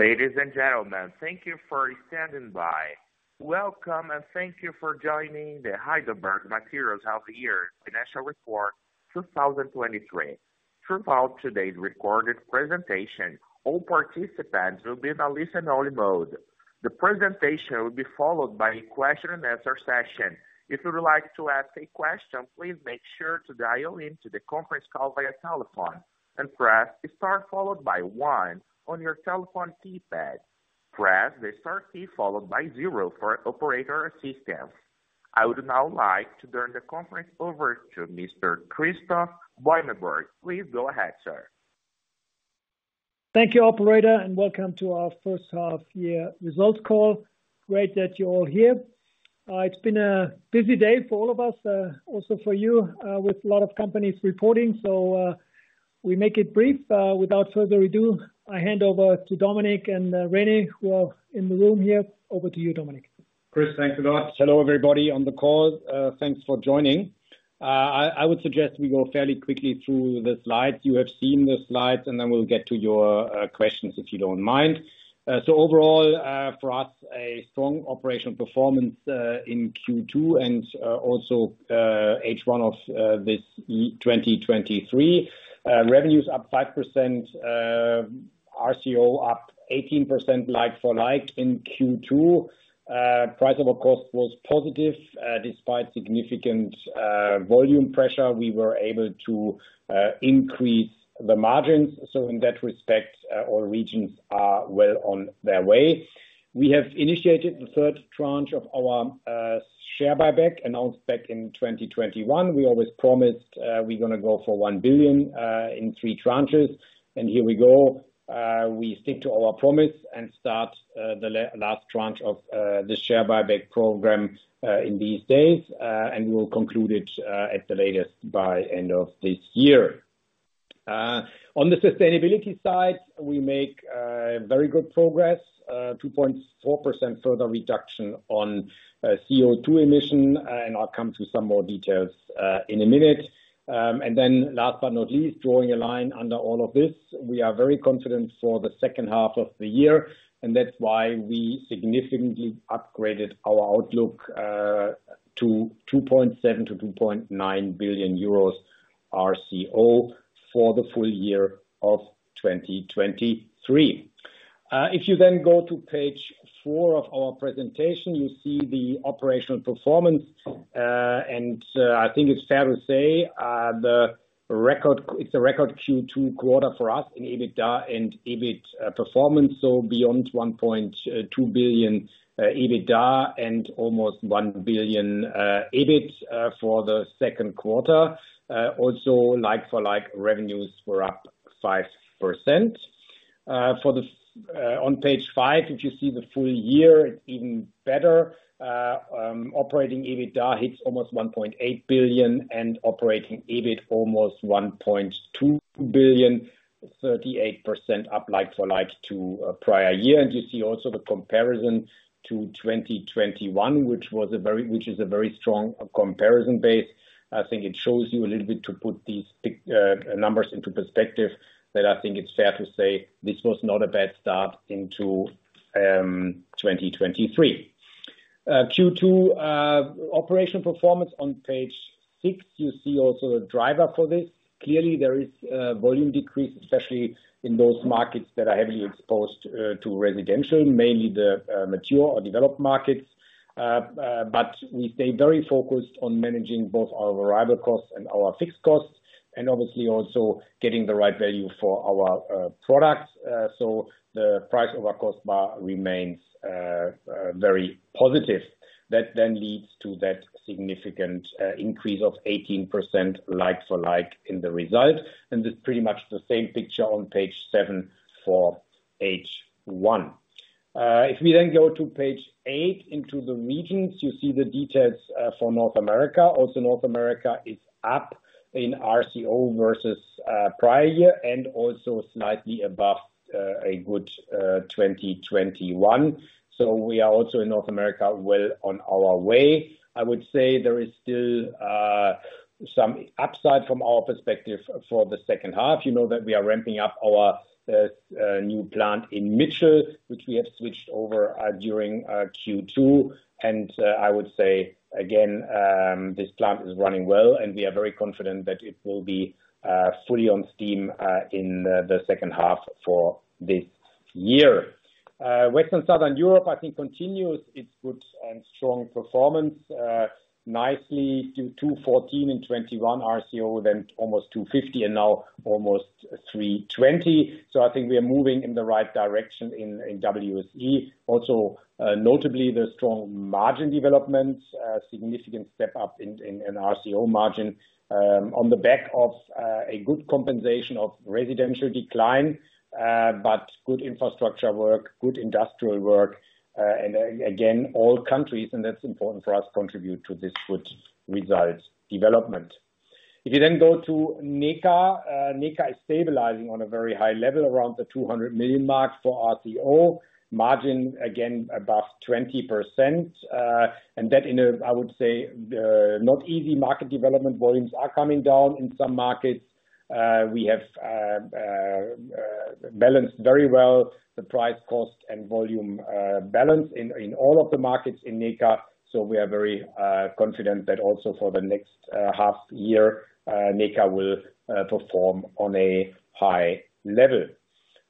Ladies and gentlemen, thank you for standing by. Welcome, and thank you for joining the Heidelberg Materials half year financial report 2023. Throughout today's recorded presentation, all participants will be in a listen-only mode. The presentation will be followed by a question and answer session. If you would like to ask a question, please make sure to dial into the conference call via telephone and press star followed by one on your telephone keypad. Press the star key followed by zero for operator assistance. I would now like to turn the conference over to Mr. Christoph Beumelburg. Please go ahead, sir. Thank you, operator, and welcome to our first half year results call. Great that you're all here. It's been a busy day for all of us, also for you, with a lot of companies reporting. We make it brief. Without further ado, I hand over to Dominic and Rene, who are in the room here. Over to you, Dominic. Chris, thanks a lot. Hello, everybody on the call. Thanks for joining. I would suggest we go fairly quickly through the slides. You have seen the slides, and then we'll get to your questions, if you don't mind. Overall, for us, a strong operational performance in Q2 and also H1 of 2023. Revenues up 5%, RCO up 18% like-for-like in Q2. Price of our cost was positive. Despite significant volume pressure, we were able to increase the margins. In that respect, all regions are well on their way. We have initiated the third tranche of our share buyback, announced back in 2021. We always promised, we're gonna go for 1 billion in three tranches. Here we go. We stick to our promise and start the last tranche of the share buyback program in these days, and we will conclude it at the latest by end of this year. On the sustainability side, we make very good progress, 2.4% further reduction on CO2 emission, and I'll come to some more details in a minute. Last but not least, drawing a line under all of this, we are very confident for the second half of the year, and that's why we significantly upgraded our outlook to 2.7 billion-2.9 billion euros RCO for the full year of 2023. If you go to page four of our presentation, you see the operational performance. I think it's fair to say, it's a record Q2 quarter for us in EBITDA and EBIT performance, so beyond 1.2 billion EBITDA and almost 1 billion EBIT for the second quarter. Like for like, revenues were up 5%. For the on page five, if you see the full year, even better, operating EBITDA hits almost 1.8 billion, and operating EBIT, almost 1.2 billion, 38% up like for like to prior year. You see also the comparison to 2021, which is a very strong comparison base. I think it shows you a little bit to put these big numbers into perspective, that I think it's fair to say this was not a bad start into 2023. Q2 operational performance on page six, you see also a driver for this. Clearly, there is a volume decrease, especially in those markets that are heavily exposed to residential, mainly the mature or developed markets. We stay very focused on managing both our variable costs and our fixed costs, and obviously, also getting the right value for our products. The price of our cost bar remains very positive. That then leads to that significant increase of 18% like for like in the result, and it's pretty much the same picture on page seven for H1. If we go to page eight, into the regions, you see the details for North America. North America is up in RCO versus prior year and also slightly above a good 2021. We are also in North America, well on our way. I would say there is still some upside from our perspective for the second half. You know that we are ramping up our new plant in Mitchell, which we have switched over during Q2. I would say, again, this plant is running well, and we are very confident that it will be fully on steam in the second half for this year. Western Southern Europe, I think, continues its good and strong performance, nicely to 214 million and 21 million RCO, then almost 250 million and now almost 320 million. I think we are moving in the right direction in WSE. Also, notably, the strong margin development, a significant step up in RCO margin, on the back of a good compensation of residential decline, but good infrastructure work, good industrial work, and again, all countries, and that's important for us, contribute to this good result development. If you go to NECA, NECA is stabilizing on a very high level, around the 200 million mark for RCO. Margin, again, above 20%, and that in a, I would say, not easy market development. Volumes are coming down in some markets. we have balanced very well the price, cost, and volume balance in all of the markets in NECA. We are very confident that also for the next half year, NECA will perform on a high level.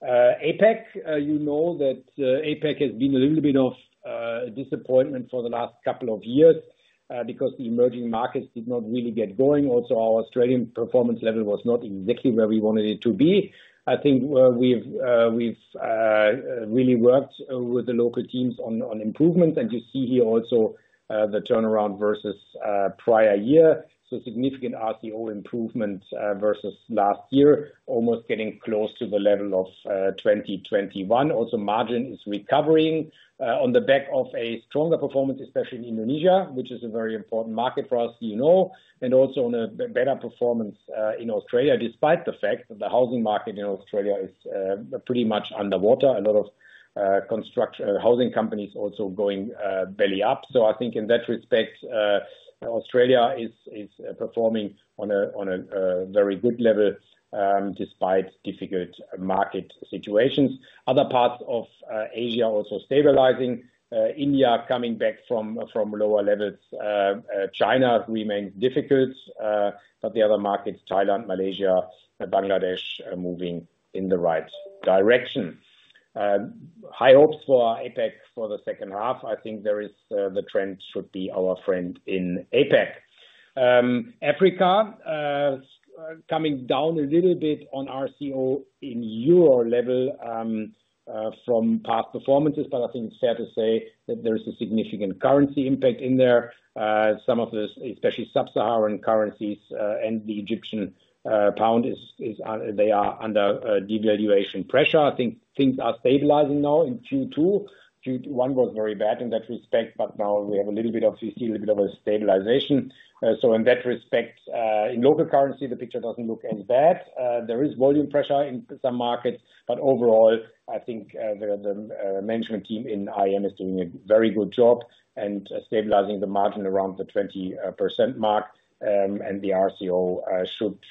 APAC, you know that APAC has been a little bit of disappointment for the last couple of years because the emerging markets did not really get going. Our Australian performance level was not exactly where we wanted it to be. I think we've really worked with the local teams on improvement, and you see here also the turnaround versus prior year. Significant RCO improvement versus last year, almost getting close to the level of 2021. Margin is recovering on the back of a stronger performance, especially in Indonesia, which is a very important market for us, you know, and also on a better performance in Australia, despite the fact that the housing market in Australia is pretty much underwater. A lot of housing companies also going belly up. I think in that respect, Australia is performing on a very good level despite difficult market situations. Other parts of Asia also stabilizing. India coming back from lower levels. China remains difficult, but the other markets, Thailand, Malaysia, Bangladesh, are moving in the right direction. High hopes for APAC for the second half. I think there is the trend should be our friend in APAC. Africa, coming down a little bit on RCO in Euro level from past performances, but I think it's fair to say that there is a significant currency impact in there. Some of this, especially sub-Saharan currencies, and the Egyptian pound is under devaluation pressure. I think things are stabilizing now in Q2. Q1 was very bad in that respect, but now we see a little bit of a stabilization. In that respect, in local currency, the picture doesn't look any bad. There is volume pressure in some markets, but overall, I think the management team in IM is doing a very good job and stabilizing the margin around the 20% mark. The RCO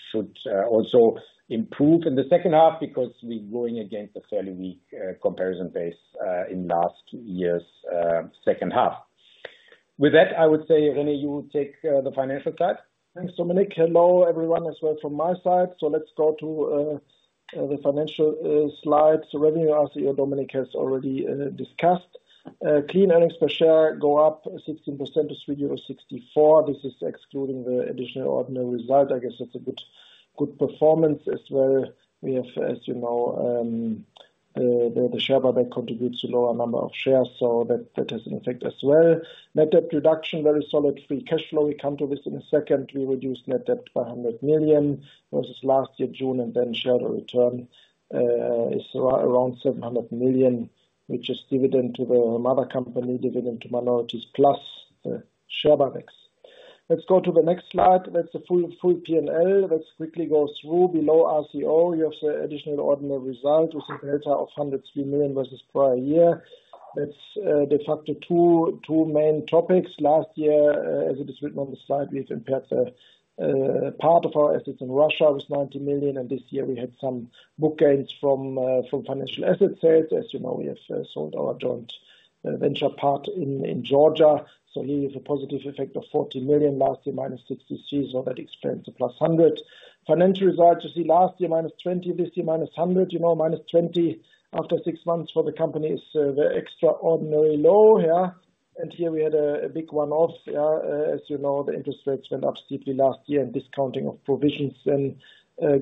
should also improve in the second half because we're going against a fairly weak comparison base in last year's second half. With that, I would say, Rene, you will take the financial side. Thanks, Dominic. Hello, everyone, as well from my side. Let's go to the financial slides. Revenue, RCO, Dominic has already discussed. Clean earnings per share go up 16%-EUR 3.64. This is excluding the additional ordinary result. I guess it's a good performance as well. We have, as you know, the share buyback contributes to lower number of shares, so that has an effect as well. Net debt reduction, very solid free cash flow. We come to this in a second. We reduced net debt to 100 million versus last year, June, share the return is around 700 million, which is dividend to the mother company, dividend to minorities, plus share buybacks. Let's go to the next slide. That's the full PNL. Let's quickly go through below RCO. You have the additional ordinary result, which is a delta of 103 million versus prior year. That's the factor two main topics. Last year, as it is written on the slide, we've impaired the part of our assets in Russia was 90 million, and this year we had some book gains from financial asset sales. As you know, we have sold our joint venture part in Georgia. Here is a positive effect of 40 million, last year, -63, so that explains the +100. Financial results, you see last year, -20, this year, -100. You know, -20 after 6 months for the company is very extraordinary low, yeah. Here we had a big one-off, yeah. As you know, the interest rates went up steeply last year, and discounting of provisions then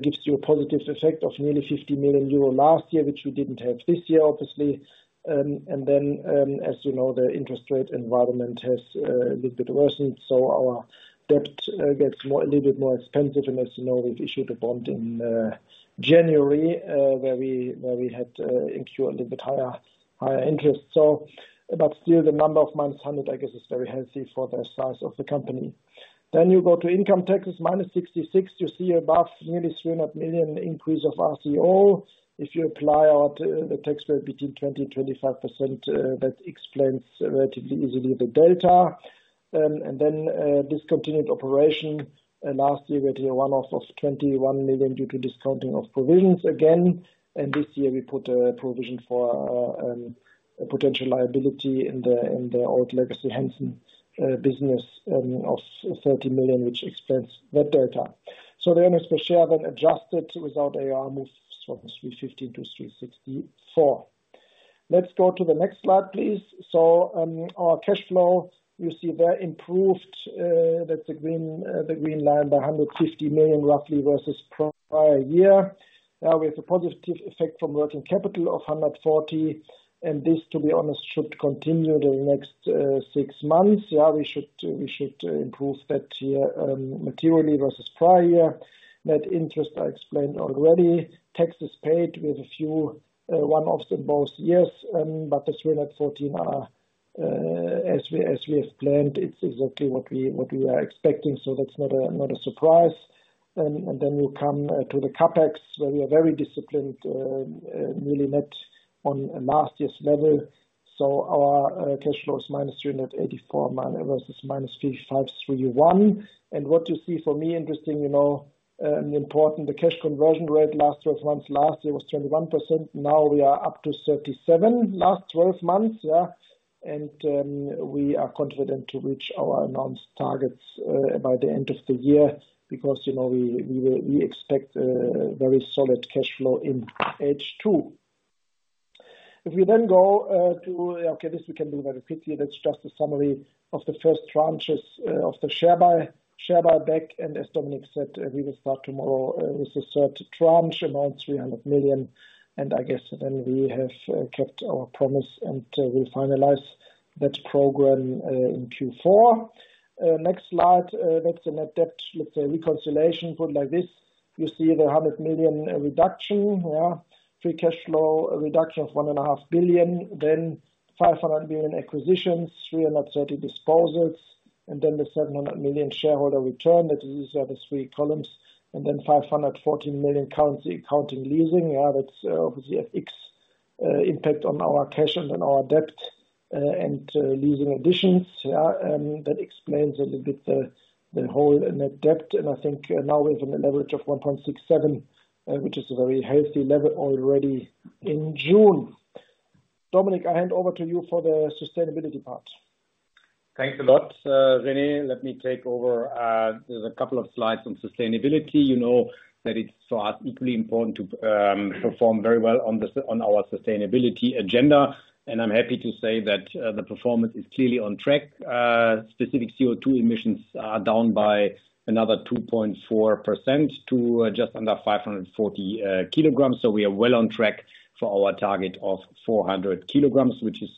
gives you a positive effect of nearly 50 million euro last year, which we didn't have this year, obviously. As you know, the interest rate environment has a little bit worsened, so our debt gets a little bit more expensive. As you know, we've issued a bond in January, where we had incur a little bit higher interest. Still, the number of -100, I guess, is very healthy for the size of the company. You go to income taxes, -66. You see above nearly 300 million increase of RCO. If you apply out the tax rate between 20%-25%, that explains relatively easily the delta. Discontinued operation, last year, we had a one-off of 21 million due to discounting of provisions again. This year, we put a provision for a potential liability in the old legacy Hanson business of 30 million, which explains that delta. The earnings per share then adjusted without AR moves from 3.50-3.64. Let's go to the next slide, please. Our cash flow, you see there improved, that the green, the green line, by 150 million, roughly, versus prior year. We have a positive effect from working capital of 140 million, and this, to be honest, should continue the next six months. We should improve that year materially versus prior year. Net interest, I explained already. Taxes paid with a few one-offs in both years. The 314 are as we have planned, it's exactly what we are expecting, so that's not a surprise. Then we come to the CapEx, where we are very disciplined, really on last year's level, so our cash flow is minus 384, minus 5,531. What you see for me, interesting, you know, and important, the cash conversion rate last 12 months, last year was 21%, now we are up to 37%, last 12 months, yeah? We are confident to reach our announced targets by the end of the year, because, you know, we expect very solid cash flow in H2. If you then go, okay, this we can do very quickly. That's just a summary of the first tranches of the share buyback. As Dominic said, we will start tomorrow with the third tranche, around 300 million, and I guess then we have kept our promise, and we finalize that program in Q4. Next slide, that's a net debt, let's say, reconciliation, put like this. You see the 100 million reduction, yeah? Free cash flow, a reduction of 1.5 billion, then 500 million acquisitions, 330 disposals, and then the 700 million shareholder return. That these are the three columns, and then 514 million counting leasing. Yeah, that's obviously a fixed impact on our cash and on our debt, and leasing additions. Yeah, that explains a little bit the, the whole net debt. I think now we have a leverage of 1.67, which is a very healthy level already in June. Dominic, I hand over to you for the sustainability part. Thanks a lot, Rene. Let me take over. There's a couple of slides on sustainability. You know that it's for us, equally important to perform very well on our sustainability agenda. I'm happy to say that the performance is clearly on track. Specific CO2 emissions are down by another 2.4% to just under 540 kilograms. We are well on track for our target of 400 kilograms, which is,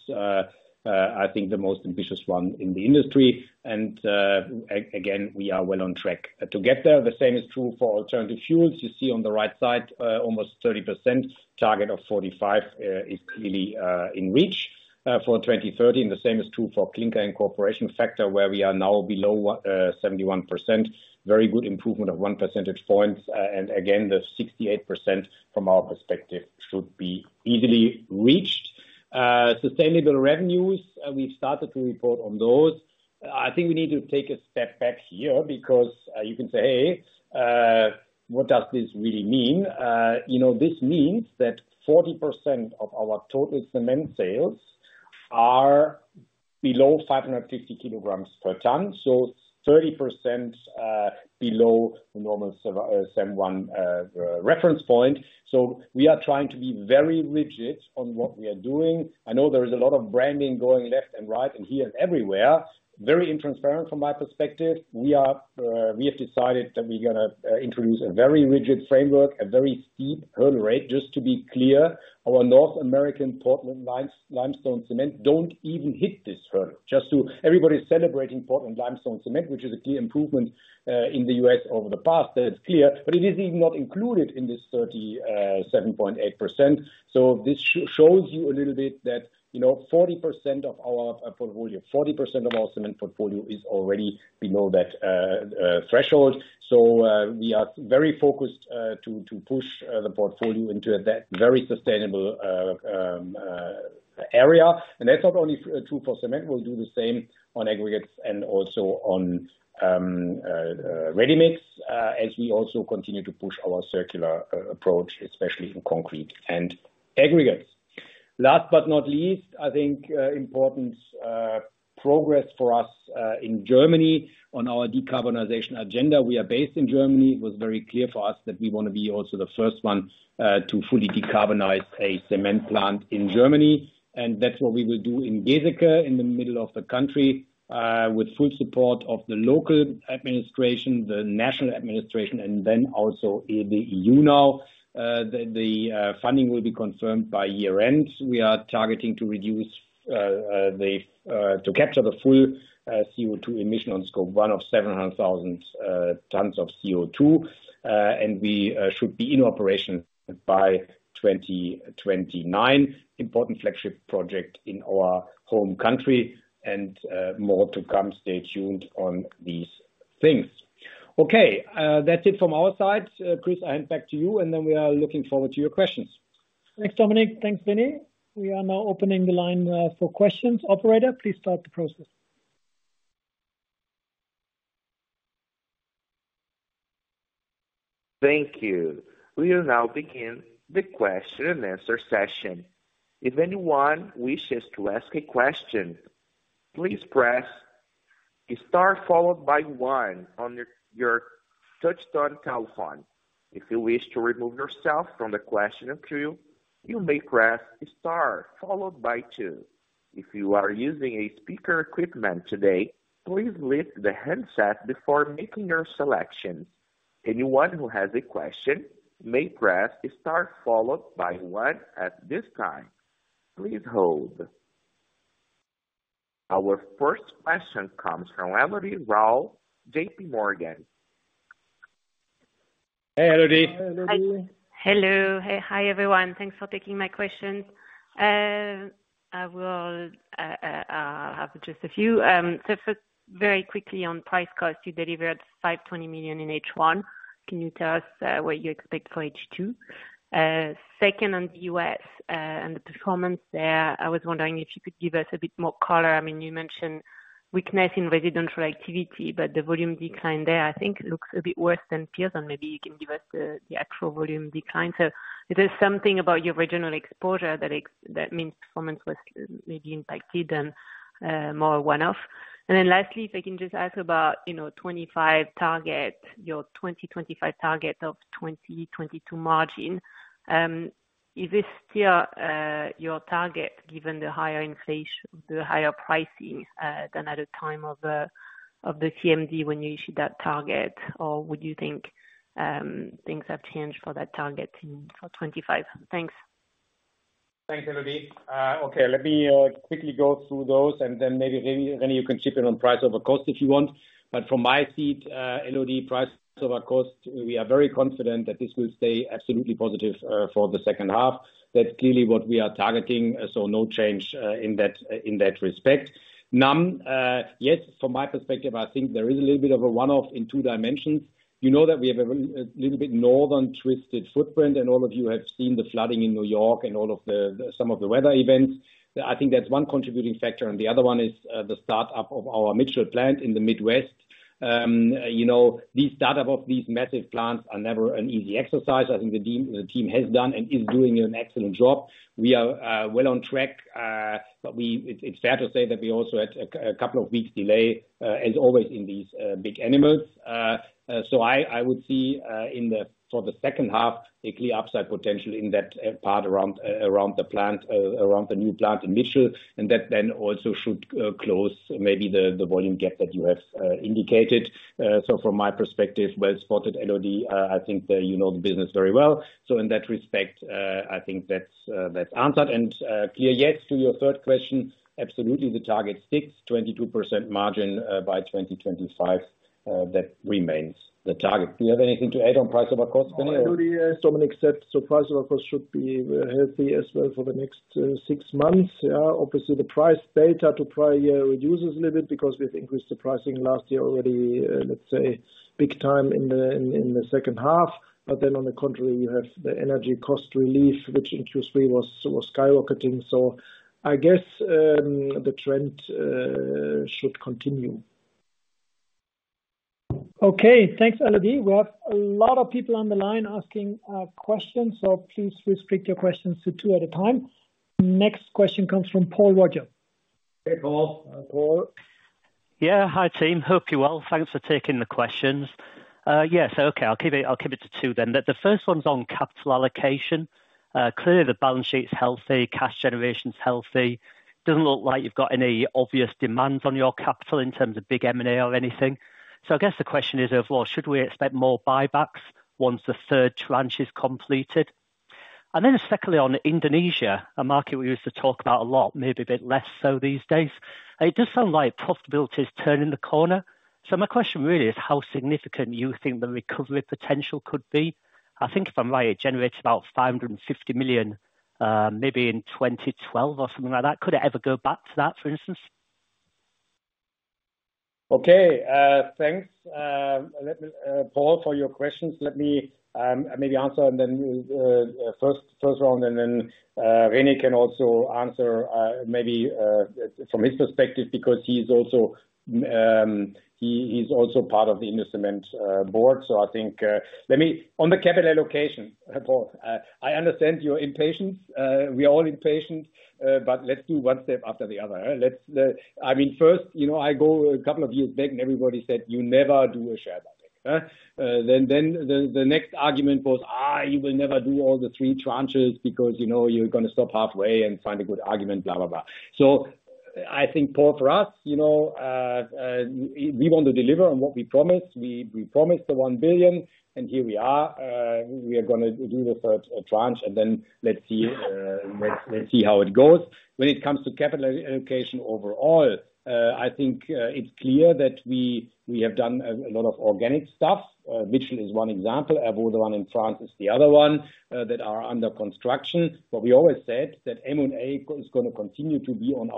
I think the most ambitious one in the industry. Again, we are well on track. To get there, the same is true for alternative fuels. You see on the right side, almost 30%, target of 45, is clearly in reach for 2030. The same is true for clinker and corporation factor, where we are now below 71%. Very good improvement of 1 percentage point. And again, the 68% from our perspective, should be easily reached. Sustainable revenues, we've started to report on those. I think we need to take a step back here, because you can say, "Hey, what does this really mean?" You know, this means that 40% of our total cement sales are below 550 kilograms per tonne, so 30% below the normal CEM I reference point. We are trying to be very rigid on what we are doing. I know there is a lot of branding going left and right, and here and everywhere, very untransparent from my perspective. We are, we have decided that we're gonna introduce a very rigid framework, a very steep hurdle rate. Just to be clear, our North American Portland limestone cement don't even hit this hurdle. Just so everybody's celebrating Portland limestone cement, which is a key improvement in the US over the past, that is clear, but it is even not included in this 37.8%. This shows you a little bit that, you know, 40% of our portfolio, 40% of our cement portfolio is already below that threshold. We are very focused to push the portfolio into that very sustainable area. That's not only true for cement. We'll do the same on aggregates and also on ready mix, as we also continue to push our circular approach, especially in concrete and aggregates. Last but not least, I think important progress for us in Germany on our decarbonization agenda. We are based in Germany. It was very clear for us that we want to be also the first one to fully decarbonize a cement plant in Germany, and that's what we will do in Geseke, in the middle of the country, with full support of the local administration, the national administration, and then also in the EU now. The funding will be confirmed by year-end. We are targeting to capture the full CO2 emission on Scope 1 of 700,000 tons of CO2. We should be in operation by 2029. Important flagship project in our home country, more to come. Stay tuned on these things. Okay, that's it from our side. Chris, I hand back to you, and we are looking forward to your questions. Thanks, Dominic. Thanks, Rene. We are now opening the line for questions. Operator, please start the process. Thank you. We will now begin the question and answer session. If anyone wishes to ask a question, please press star followed by one one on your touchtone telephone. If you wish to remove yourself from the question and queue, you may press star followed by two. If you are using a speaker equipment today, please lift the handset before making your selection. Anyone who has a question may press star followed by one at this time. Please hold. Our first question comes from Elodie Rall, JP Morgan. Hey, Elodie. Hey, Elodie. Hello. Hi, everyone. Thanks for taking my question. I will have just a few. First, very quickly on price cost, you delivered 520 million in H1. Can you tell us what you expect for H2? Second, on the U.S. and the performance there, I was wondering if you could give us a bit more color. I mean, you mentioned weakness in residential activity, but the volume decline there, I think, looks a bit worse than peers, and maybe you can give us the actual volume decline. Is there something about your regional exposure that means performance was maybe impacted and more one-off? Lastly, if I can just ask about, you know, 2025 target, your 2025 target of 2022 margin. Is this still your target, given the higher inflation, the higher pricing, than at the time of the CMD when you issued that target? Would you think things have changed for that target for 25? Thanks. Thanks, Elodie. Okay, let me quickly go through those, and then Rene, you can chip in on price over cost if you want. From my seat, LOD price over cost, we are very confident that this will stay absolutely positive for the second half. That's clearly what we are targeting, no change in that in that respect. Yes, from my perspective, I think there is a little bit of a one-off in two dimensions. You know that we have a little bit northern-twisted footprint, all of you have seen the flooding in New York and some of the weather events. I think that's one contributing factor, the other one is the start up of our Mitchell plant in the Midwest. You know, the start up of these massive plants are never an easy exercise. I think the team has done and is doing an excellent job. We are well on track, but it's fair to say that we also had a couple of weeks delay, as always, in these big animals. I would see for the second half, a clear upside potential in that part around, around the plant, around the new plant in Mitchell, and that then also should close maybe the volume gap that you have indicated. From my perspective, well spotted, LOD. I think that you know the business very well. In that respect, I think that's that's answered. Clear, yes, to your third question, absolutely the target sticks 22% margin, by 2025. That remains the target. Do you have anything to add on price over cost, Rene? LOD, as Dominic said, price over cost should be healthy as well for the next 6 months. Obviously, the price data to prior year reduces a little bit because we've increased the pricing last year already, let's say, big time in the second half. On the contrary, you have the energy cost relief, which previously was skyrocketing. I guess the trend should continue. Okay, thanks, Elodie. We have a lot of people on the line asking questions. Please restrict your questions to two at a time. Next question comes from Paul Roger. Hey, Paul. Yeah, hi, team. Hope you're well. Thanks for taking the questions. Yes, okay, I'll keep it to two then. The first one's on capital allocation. Clearly, the balance sheet's healthy, cash generation's healthy. Doesn't look like you've got any obvious demands on your capital in terms of big M&A or anything. I guess the question is, therefore, should we expect more buybacks once the third tranche is completed? Secondly, on Indonesia, a market we used to talk about a lot, maybe a bit less so these days. It does sound like profitability is turning the corner. My question really is how significant you think the recovery potential could be? I think if I'm right, it generates about $550 million, maybe in 2012 or something like that. Could it ever go back to that, for instance? Okay, thanks, let me, Paul, for your questions. Let me maybe answer and then first round, and then Rene can also answer maybe from his perspective, because he's also part of the Indocement board. I think. On the capital allocation, Paul, I understand your impatience. We are all impatient, but let's do one step after the other, let's. I mean, first, you know, I go a couple of years back, and everybody said, "You never do a share buyback,"? The next argument was, "You will never do all the three tranches because, you know, you're gonna stop halfway and find a good argument," blah, blah, blah. I think, Paul, for us, you know, we want to deliver on what we promised. We promised the 1 billion, here we are. We are going to do the third tranche, let's see how it goes. When it comes to capital allocation overall, I think it's clear that we have done a lot of organic stuff. Mitchell is one example. Airvault is the other one that are under construction. We always said that M&A is going to continue to be on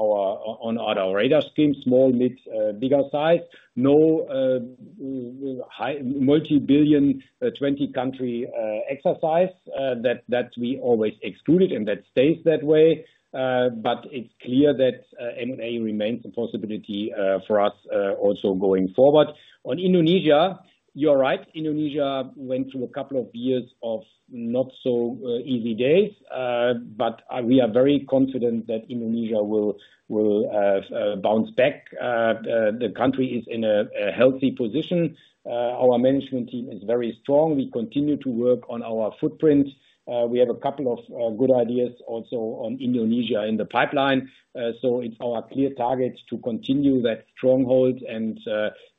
our radar screen, small, mid, bigger size. No, multi-billion, 20 country exercise that we always excluded, that stays that way. It's clear that M&A remains a possibility for us also going forward. On Indonesia, you're right. Indonesia went through a couple of years of not so easy days. We are very confident that Indonesia will bounce back. The country is in a healthy position. Our management team is very strong. We continue to work on our footprint. We have a couple of good ideas also on Indonesia in the pipeline. It's our clear target to continue that stronghold.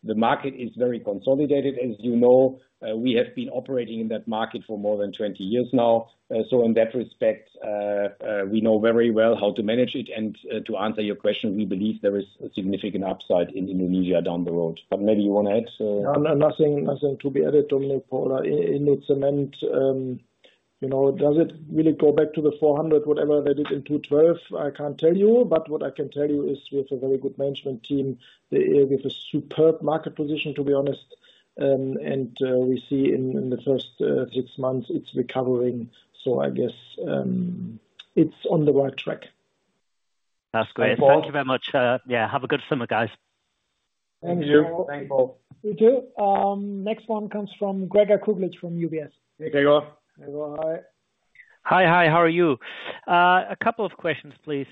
The market is very consolidated. As you know, we have been operating in that market for more than 20 years now. In that respect, we know very well how to manage it. To answer your question, we believe there is a significant upside in Indonesia down the road. Maybe you wanna add. No, nothing to be added to it, Paul. In Indocement, you know, does it really go back to the 400, whatever that is in 212? I can't tell you, but what I can tell you is we have a very good management team. They, with a superb market position, to be honest. We see in the first six months, it's recovering. I guess, it's on the right track. That's great. Thanks Paul. Thank you very much. Yeah, have a good summer, guys. Thank you. Thank you, Paul. Thank you. next one comes from Gregor Kuglitsch from UBS. Hey, Gregor. Gregor, hi. Hi, hi. How are you? A couple of questions, please.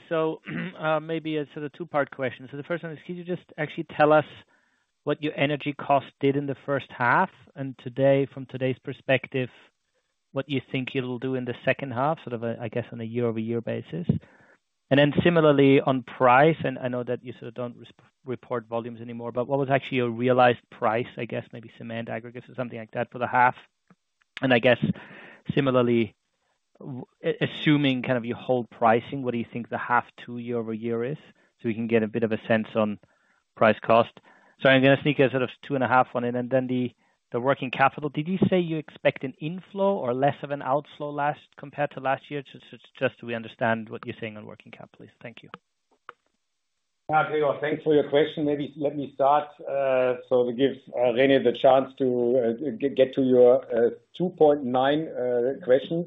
Maybe it's a two-part question. The first one is, can you just actually tell us what your energy cost did in the first half, and today, from today's perspective, what you think it'll do in the second half? Sort of a, I guess, on a year-over-year basis. Similarly on price, and I know that you sort of don't report volumes anymore, but what was actually your realized price? I guess maybe cement, aggregates, or something like that for the half. I guess similarly, assuming kind of you hold pricing, what do you think the half two year-over-year is? We can get a bit of a sense on price cost. Sorry, I'm gonna sneak a sort of two and a half one in, and then the working capital. Did you say you expect an inflow or less of an outflow compared to last year? Just so we understand what you're saying on working capital, please. Thank you. Gregor, thanks for your question. Maybe let me start so to give Rene the chance to get to your 2.9 questions.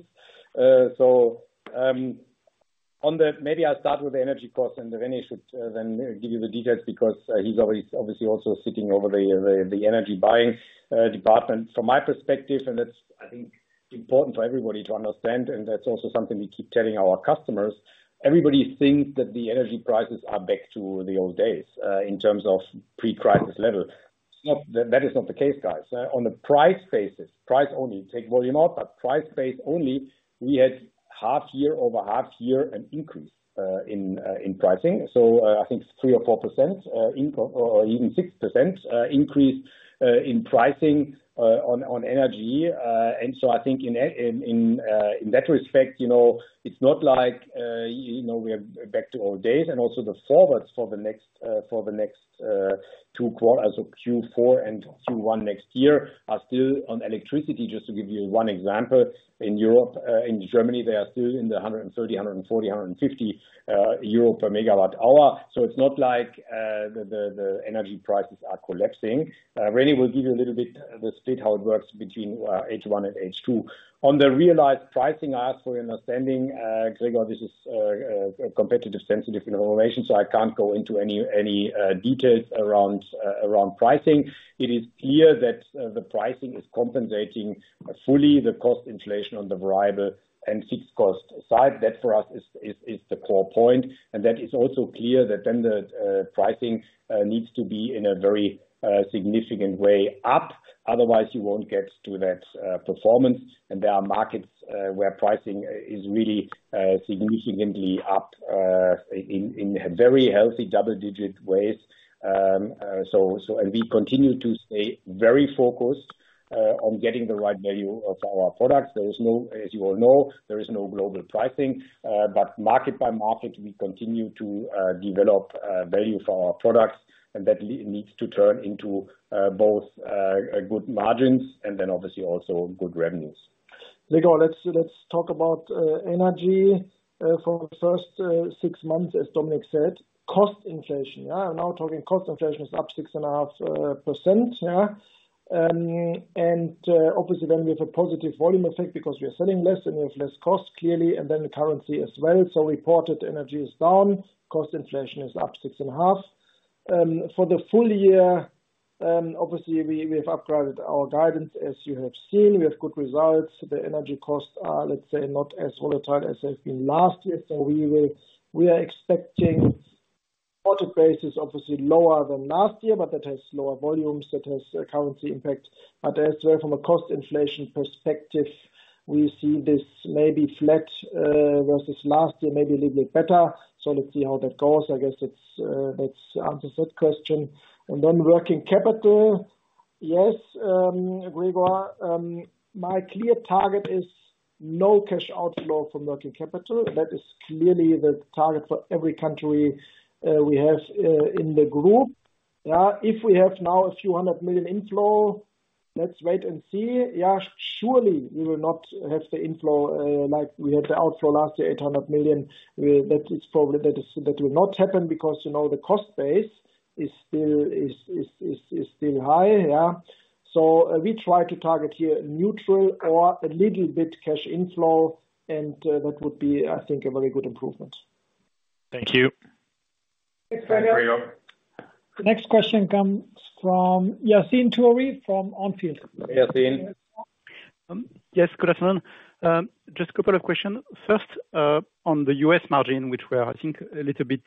Maybe I'll start with the energy cost, and Rene should then give you the details, because he's always obviously also sitting over the energy buying department. From my perspective, and it's, I think, important for everybody to understand, and that's also something we keep telling our customers: everybody thinks that the energy prices are back to the old days in terms of pre-crisis level. It's not, that is not the case, guys. On the price basis, price only, take volume out, but price base only, we had half-year-over-half-year an increase in pricing. I think it's 3% or 4% or even 6% increase in pricing on energy. I think in that respect, you know, it's not like, you know, we are back to old days. Also the forwards for the next two quarters of Q4 and Q1 next year are still on electricity. Just to give you one example, in Europe, in Germany, they are still in the 130, 140, 150 euro per megawatt hour. It's not like the energy prices are collapsing. Rene will give you a little bit the split, how it works between H1 and H2. On the realized pricing, I ask for your understanding, Gregor, this is a competitive sensitive information, so I can't go into any details around pricing. It is clear that the pricing is compensating fully the cost inflation on the variable and fixed cost side. That, for us, is the core point, that is also clear that then the pricing needs to be in a very significant way up. Otherwise, you won't get to that performance. There are markets where pricing is really significantly up in very healthy double-digit ways. We continue to stay very focused on getting the right value of our products. There is no, as you all know, there is no global pricing. Market by market, we continue to develop value for our products. That needs to turn into both good margins and then obviously also good revenues. Gregor, let's talk about energy for the first 6 months, as Dominic said, cost inflation, yeah. Talking cost inflation is up 6.5%, yeah. Obviously then we have a positive volume effect because we are selling less, and we have less cost, clearly, and then the currency as well. Reported energy is down, cost inflation is up 6.5. For the full year, obviously, we have upgraded our guidance. As you have seen, we have good results. The energy costs are, let's say, not as volatile as they've been last year. We are expecting quarter base is obviously lower than last year, but that has lower volumes, that has a currency impact. As well, from a cost inflation perspective, we see this maybe flat, versus last year, maybe a little bit better. Let's see how that goes. I guess it's that's answer that question. Working capital. Yes, Gregor, my clear target is no cash outflow from working capital. That is clearly the target for every country we have in the group. If we have now a few hundred million EUR inflow, let's wait and see. Yeah, surely we will not have the inflow like we had the outflow last year, 800 million. That is probably, that is, that will not happen because, you know, the cost base is still, is still high, yeah. We try to target here neutral or a little bit cash inflow, and that would be, I think, a very good improvement. Thank you. Thanks, Gregor. Next question comes from Yassine from On Field. Yassine. Yes, good afternoon. Just two questions. First, on the US margin, which were, I think, a little bit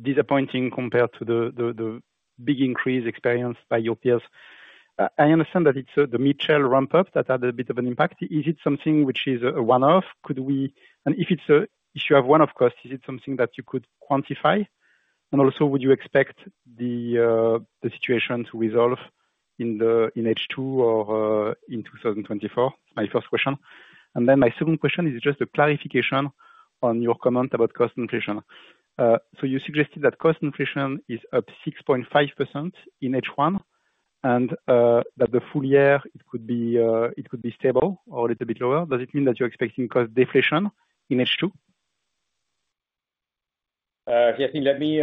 disappointing compared to the big increase experienced by your peers. I understand that it's the mitchell that had a bit of an impact. Is it something which is a one-off? If you have one-off cost, is it something that you could quantify? Also, would you expect the situation to resolve in H2 or in 2024? My first question. My second question is just a clarification on your comment about cost inflation. You suggested that cost inflation is up 6.5% in H1.... and that the full year, it could be stable or a little bit lower. Does it mean that you're expecting cost deflation in H2? Yassine, let me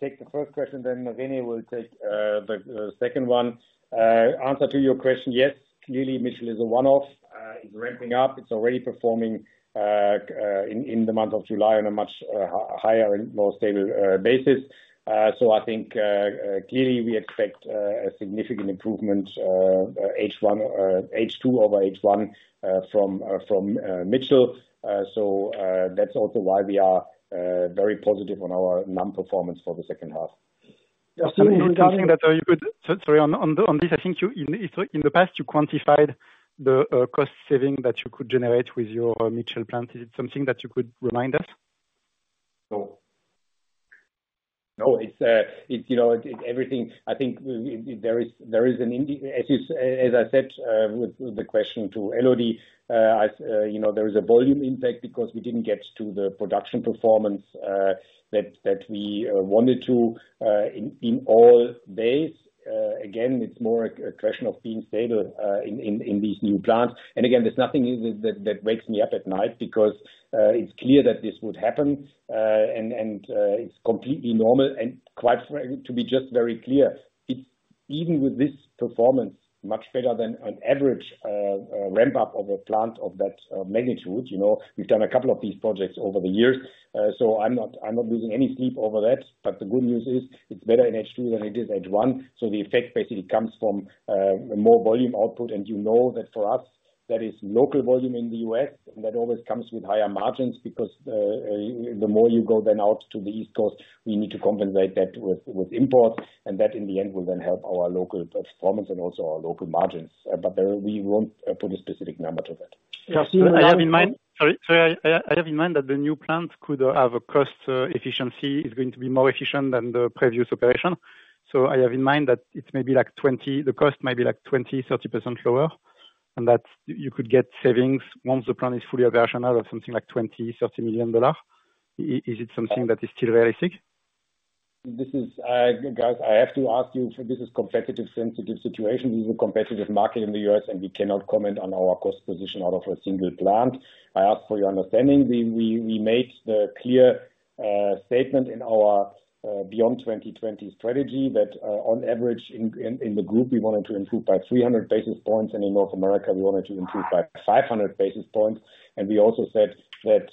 take the first question, then Rene will take the second one. Answer to your question, yes, clearly, Mitchell is a one-off. It's ramping up, it's already performing in the month of July on a much higher and more stable basis. I think clearly, we expect a significant improvement H1, H2 over H1 from Mitchell. That's also why we are very positive on our NAM performance for the second half. Sorry, on this, I think you, in the past, you quantified the cost saving that you could generate with your Mitchell plant. Is it something that you could remind us? No. No, it's, you know, it's everything. I think there is, there is an as you as I said, with the question to LOD, I, you know, there is a volume impact because we didn't get to the production performance that we wanted to in all days. Again, it's more a question of being stable in these new plants. There's nothing new that wakes me up at night because it's clear that this would happen and it's completely normal. To be just very clear, even with this performance, much better than an average ramp up of a plant of that magnitude, you know, we've done a couple of these projects over the years, so I'm not, I'm not losing any sleep over that. The good news is, it's better in H2 than it is H1, so the effect basically comes from more volume output. You know that for us, that is local volume in the US, and that always comes with higher margins, because the more you go then out to the East Coast, we need to compensate that with, with import, and that, in the end, will then help our local performance and also our local margins. There, we won't put a specific number to that. Yeah, sorry. I have in mind that the new plant could have a cost efficiency, is going to be more efficient than the previous operation. I have in mind that it may be the cost may be like 20-30% lower, and that you could get savings once the plant is fully operational of something like $20 million-$30 million. Is it something that is still realistic? This is guys, I have to ask you, this is competitive sensitive situation. We were competitive market in the U.S. We cannot comment on our cost position out of a single plant. I ask for your understanding. We made the clear statement in our Beyond 2020 strategy, that on average, in the group, we wanted to improve by 300 basis points, in North America, we wanted to improve by 500 basis points. We also said that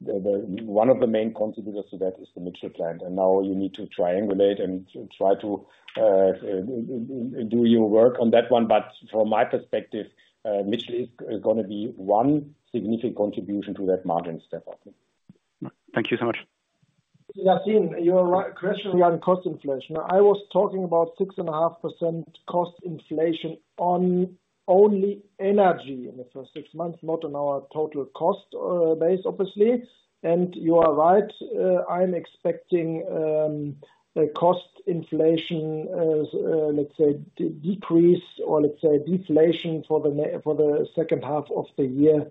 one of the main contributors to that is the Mitchell plant. Now you need to triangulate and try to do your work on that one. From my perspective, Mitchell is gonna be one significant contribution to that margin step up. Thank you so much. Yassine Touahri, you are right, question on cost inflation. I was talking about 6.5% cost inflation on only energy in the first six months, not on our total cost base, obviously. You are right, I'm expecting a cost inflation, let's say, de-decrease, or let's say, deflation for the second half of the year,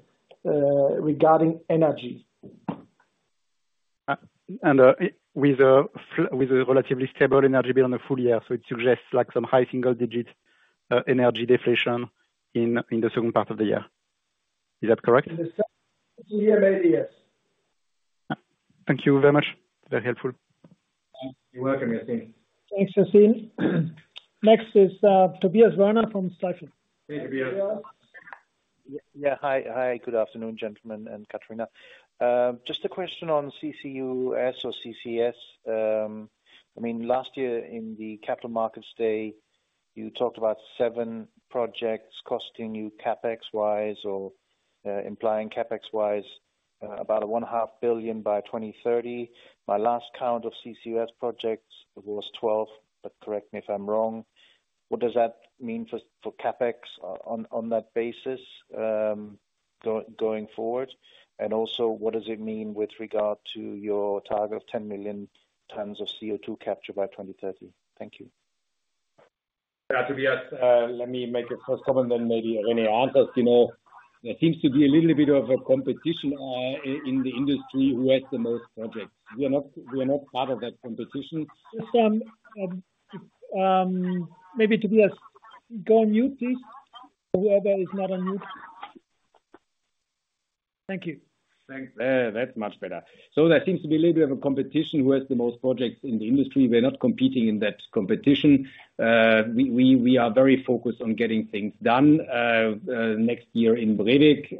regarding energy. With a relatively stable energy bill on the full year, so it suggests like some high single-digit energy deflation in the second part of the year. Is that correct? Yeah, maybe, yes. Thank you very much. Very helpful. You're welcome, Yassine. Thanks, Yassine Touahri. Next is Tobias Woerner from Stifel. Hey, Tobias. Hi. Good afternoon, gentlemen and Katharina. Just a question on CCUS or CCS. I mean, last year in the capital markets day, you talked about seven projects costing you CapEx-wise, or implying CapEx-wise, about one half billion by 2030. My last count of CCUS projects was 12. Correct me if I'm wrong. What does that mean for CapEx on that basis going forward? Also, what does it mean with regard to your target of 10 million tons of CO2 capture by 2030? Thank you. Tobias, let me make a first comment, then maybe Rene answers. You know, there seems to be a little bit of a competition in the industry, who has the most projects. We are not part of that competition. Maybe Tobias, go on mute, please. Whoever is not on mute. Thank you. Thanks. That's much better. There seems to be a little bit of a competition, who has the most projects in the industry. We're not competing in that competition. We are very focused on getting things done. Next year in Brevik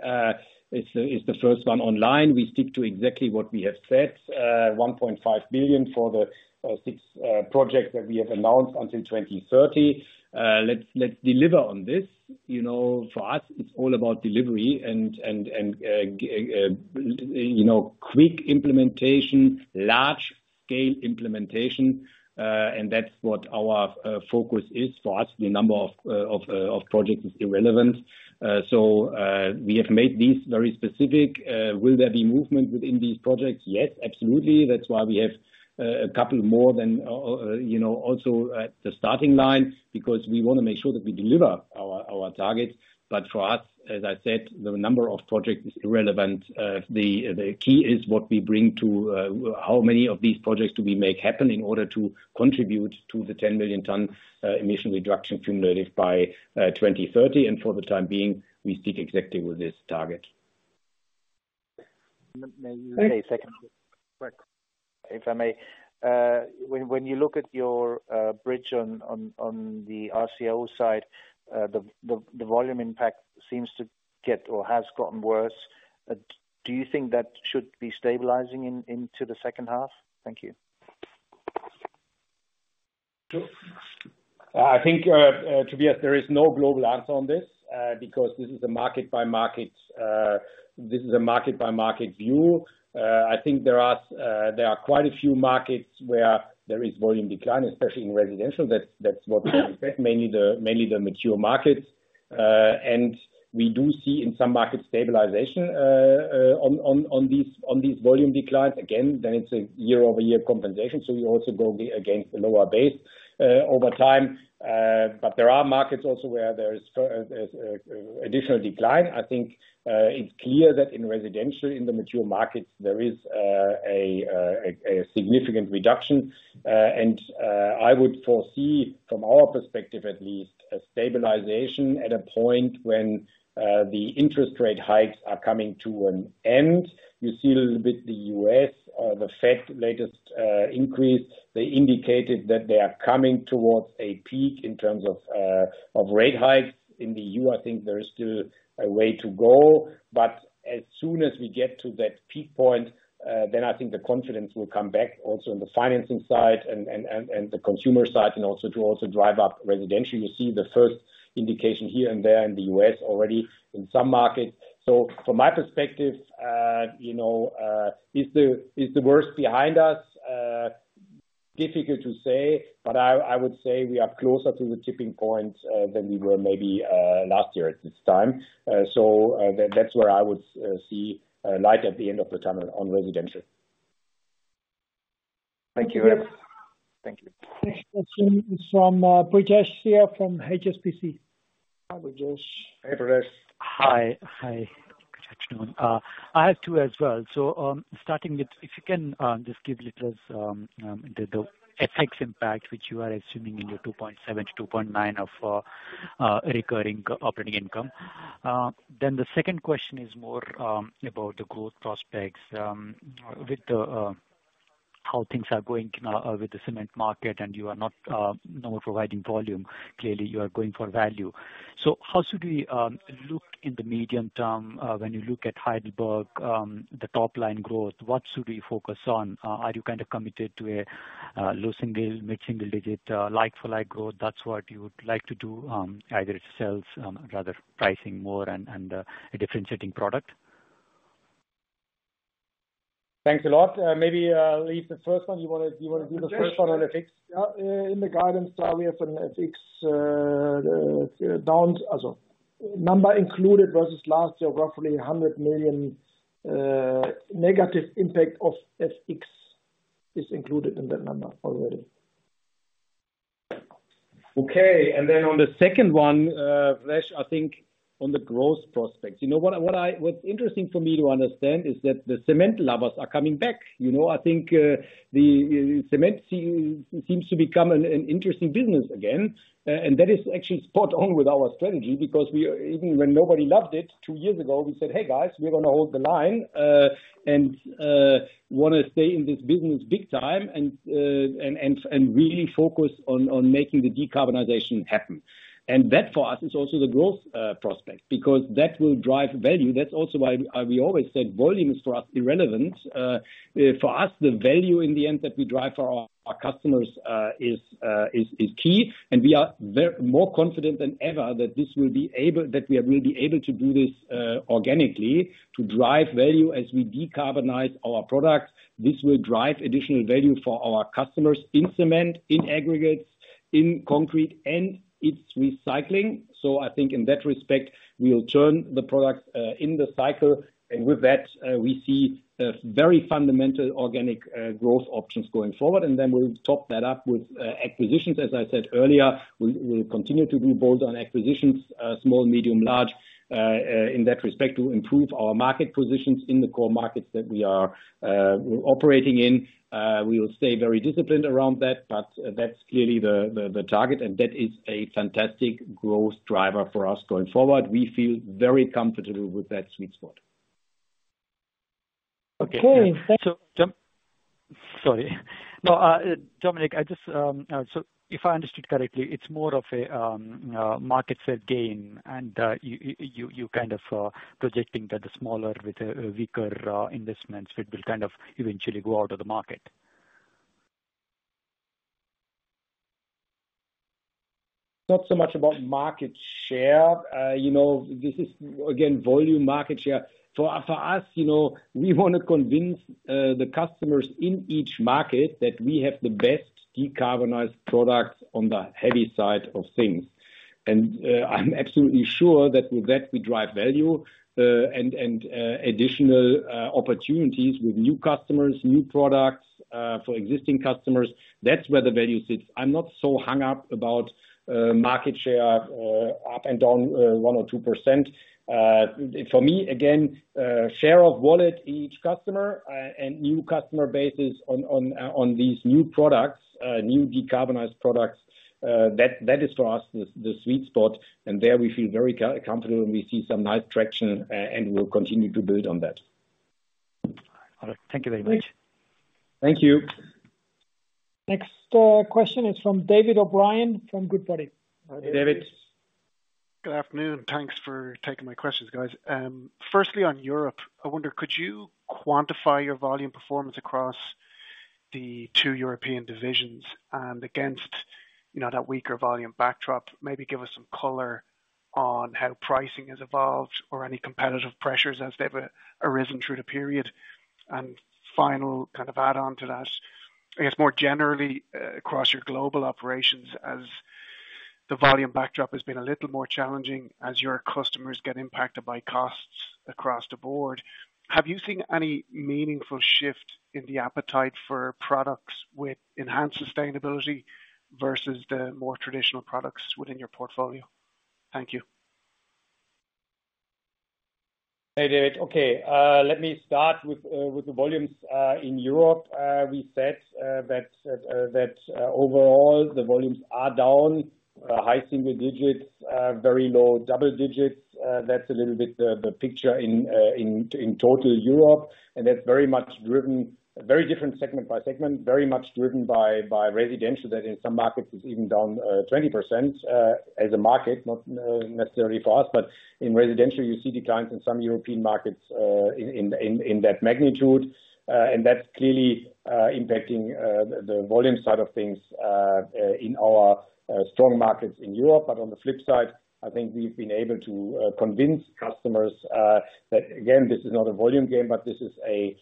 is the first one online. We stick to exactly what we have said, 1.5 billion for the six projects that we have announced until 2030. Let's deliver on this. You know, for us, it's all about delivery and, you know, quick implementation, large-scale implementation, and that's what our focus is. For us, the number of projects is irrelevant. We have made these very specific. Will there be movement within these projects? Yes, absolutely. That's why we have, a couple more than, you know, also at the starting line, because we want to make sure that we deliver our targets. For us, as I said, the number of projects is irrelevant. The key is what we bring to, how many of these projects do we make happen in order to contribute to the 10 million ton emission reduction cumulative by 2030, and for the time being, we stick exactly with this target. May I second? If I may, when you look at your bridge on the RCO side, the volume impact seems to get or has gotten worse. Do you think that should be stabilizing into the second half? Thank you. I think, to be honest, there is no global answer on this because this is a market by market view. I think there are quite a few markets where there is volume decline, especially in residential. That's what we expect, mainly the mature markets. We do see in some markets stabilization on these volume declines. Again, then it's a year-over-year compensation, so we also go against the lower base over time. There are markets also where there is additional decline. I think it's clear that in residential, in the mature markets, there is a significant reduction. I would foresee from our perspective at least, a stabilization at a point when the interest rate hikes are coming to an end. You see a little bit the U.S., the Fed latest increase. They indicated that they are coming towards a peak in terms of rate hikes. In the EU, I think there is still a way to go, but as soon as we get to that peak point, then I think the confidence will come back also in the financing side and the consumer side, and also to also drive up residential. You see the first indication here and there in the U.S. already in some markets. From my perspective, you know, is the worst behind us? difficult to say, but I would say we are closer to the tipping point than we were maybe last year at this time. That's where I would see light at the end of the tunnel on residential. Thank you. Thank you. Thanks. From, Brijesh here from HSBC. Hi, Brijesh. Hey, Brijesh. Hi. Hi. Good afternoon. I have two as well. Starting with, if you can just give little the FX impact, which you are assuming in your 2.7-2.9 of recurring operating income. The second question is more about the growth prospects with the how things are going now with the cement market, and you are not no more providing volume. Clearly, you are going for value. How should we look in the medium term, when you look at Heidelberg, the top line growth, what should we focus on? Are you kind of committed to a low single, mid-single digit, like for like growth? That's what you would like to do, either it sells, rather pricing more and a differentiating product. Thanks a lot. Maybe, Keith, the first one, you wanna do the first one on the FX? In the guidance, we have an FX down. Also, number included versus last year, roughly 100 million, negative impact of FX is included in that number already. Okay. On the second one, Brijesh, I think on the growth prospects. You know, what's interesting for me to understand is that the cement lovers are coming back. You know, I think the cement seems to become an interesting business again, that is actually spot on with our strategy because even when nobody loved it two years ago, we said, "Hey, guys, we're gonna hold the line, and wanna stay in this business big time, and really focus on making the decarbonization happen." That, for us, is also the growth prospect, because that will drive value. That's also why we always said volume is, for us, irrelevant. For us, the value in the end that we drive for our customers is key. We are more confident than ever that we will be able to do this organically, to drive value as we decarbonize our products. This will drive additional value for our customers in cement, in aggregates, in concrete, and its recycling. I think in that respect, we'll turn the products in the cycle, and with that, we see very fundamental organic growth options going forward. Then we'll top that up with acquisitions. As I said earlier, we'll continue to be bold on acquisitions, small, medium, large in that respect, to improve our market positions in the core markets that we are operating in. We will stay very disciplined around that, but that's clearly the, the, the target, and that is a fantastic growth driver for us going forward. We feel very comfortable with that sweet spot. Okay. Thank you. Sorry. No, Dominic, I just, if I understood correctly, it's more of a market share gain, and you kind of projecting that the smaller with a weaker investments, it will kind of eventually go out of the market? Not so much about market share. you know, this is again, volume market share. For us, you know, we wanna convince the customers in each market that we have the best decarbonized products on the heavy side of things. I'm absolutely sure that with that, we drive value, and additional opportunities with new customers, new products, for existing customers. That's where the value sits. I'm not so hung up about market share, up and down, 1% or 2%. For me, again, share of wallet in each customer, and new customer bases on these new products, new decarbonized products, that is, for us, the sweet spot, and there we feel very comfortable, and we see some nice traction, and we'll continue to build on that. Thank you very much. Thank you. Next, question is from David O'Brien, from Goodbody. Hi, David. Good afternoon. Thanks for taking my questions, guys. Firstly, on Europe, I wonder, could you quantify your volume performance across the two European divisions and against, you know, that weaker volume backdrop? Maybe give us some color on how pricing has evolved or any competitive pressures as they've arisen through the period. Final, kind of, add-on to that, I guess, more generally, across your global operations as the volume backdrop has been a little more challenging as your customers get impacted by costs across the board, have you seen any meaningful shift in the appetite for products with enhanced sustainability versus the more traditional products within your portfolio? Thank you. Hey, David. Okay, let me start with the volumes in Europe. We said that overall, the volumes are down high single digits, very low double digits. That's a little bit the picture in total Europe, and that's very different segment by segment, very much driven by residential, that in some markets is even down 20% as a market, not necessarily for us. In residential, you see declines in some European markets in that magnitude. And that's clearly impacting the volume side of things in our strong markets in Europe. On the flip side, I think we've been able to convince customers that, again, this is not a volume game, but this is a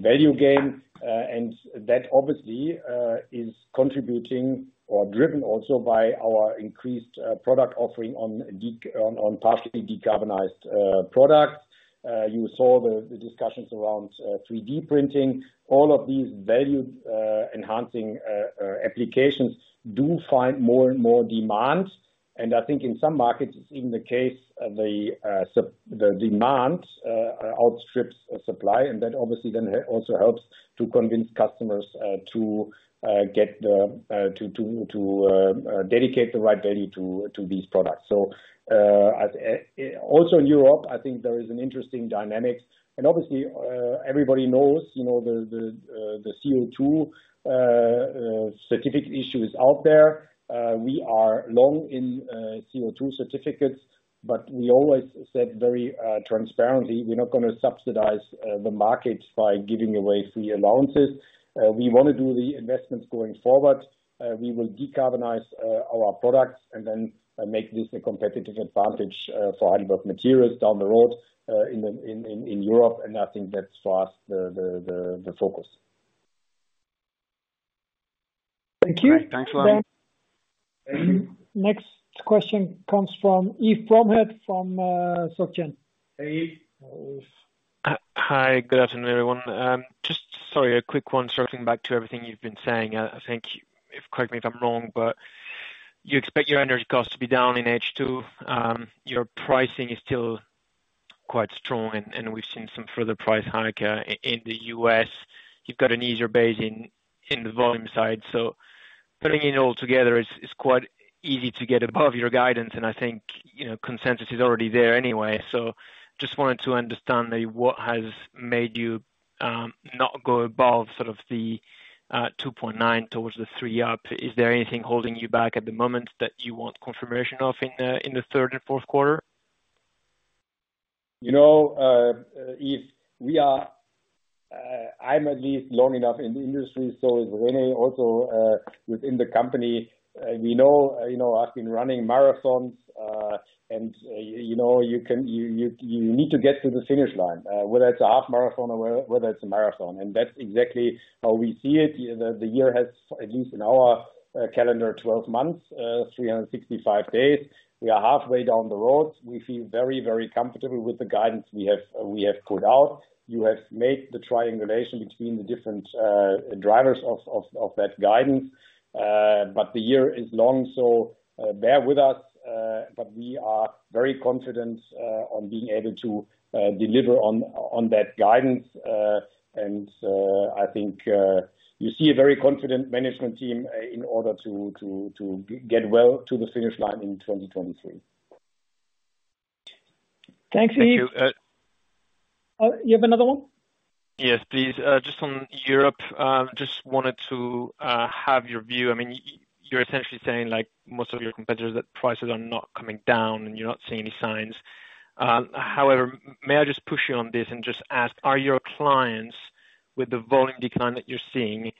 value game. That obviously is contributing or driven also by our increased product offering on partially decarbonized products. You saw the discussions around 3D printing. All of these value enhancing applications do find more and more demand. I think in some markets, it's even the case, the demand outstrips supply, and that obviously then also helps to convince customers to get the to dedicate the right value to these products. As also in Europe, I think there is an interesting dynamic, obviously, everybody knows, you know, the CO2 certificate issue is out there. We are long in CO2 certificates, but we always said very transparently, we're not gonna subsidize the markets by giving away free allowances. We wanna do the investments going forward. We will decarbonize our products and then make this a competitive advantage for Heidelberg Materials down the road in Europe. I think that's for us, the focus. Thank you. Thanks a lot. Thank you. Next question comes from Yves Bromehead, from Société Générale. Hey, Yves. Hi, Yves. Hi. Good afternoon, everyone. Just sorry, a quick one circling back to everything you've been saying. I think, correct me if I'm wrong, but you expect your energy costs to be down in H2. Your pricing is still quite strong, and we've seen some further price hike in the US. You've got an easier base in the volume side. Putting it all together, it's quite easy to get above your guidance, and I think, you know, consensus is already there anyway. Just wanted to understand, like, what has made you not go above sort of the 2.9 towards the three up. Is there anything holding you back at the moment that you want confirmation of in the third and fourth quarter? are, I'm at least long enough in the industry, so is Rene also, within the company. We know, you know, I've been running marathons, and, you know, you can. You need to get to the finish line, whether it's a half marathon or whether it's a marathon, and that's exactly how we see it. The year has, at least in our calendar, 12 months, 365 days. We are halfway down the road. We feel very, very comfortable with the guidance we have, we have put out. You have made the triangulation between the different drivers of that guidance. But the year is long, so bear with us, but we are very confident on being able to deliver on that guidance I think, you see a very confident management team, in order to get well to the finish line in 2023. Thanks, Yves. Thank you. You have another one? Yes, please. Just on Europe, just wanted to have your view. I mean, you're essentially saying, like most of your competitors, that prices are not coming down, and you're not seeing any signs. However, may I just push you on this and just ask, are your clients, with the volume decline that you're seeing,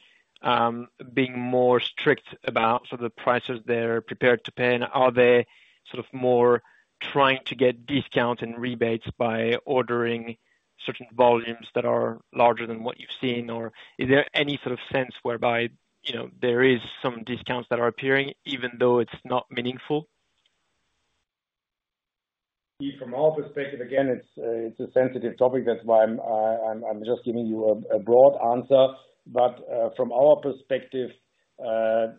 being more strict about some of the prices they're prepared to pay? Are they sort of more trying to get discounts and rebates by ordering certain volumes that are larger than what you've seen? Is there any sort of sense whereby, you know, there is some discounts that are appearing, even though it's not meaningful? Yves, from our perspective, again, it's, it's a sensitive topic, that's why I'm just giving you a broad answer. From our perspective,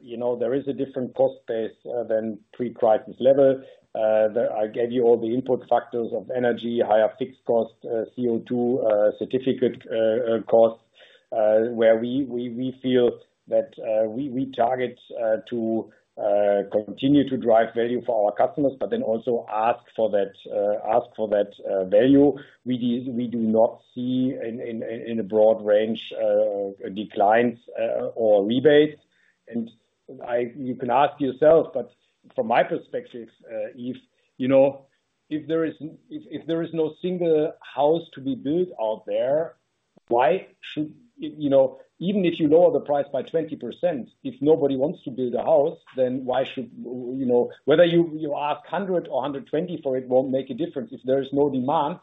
you know, there is a different cost base than pre-crisis level. I gave you all the input factors of energy, higher fixed costs, CO2 certificate costs. Where we feel that we target to continue to drive value for our customers, but then also ask for that value. We do not see in a broad range declines or rebates. You can ask yourself, but from my perspective, if, you know, if there is no single house to be built out there, why should. You know, even if you lower the price by 20%, if nobody wants to build a house, then why should, whether you ask 100 or 120 for it, won't make a difference. If there is no demand,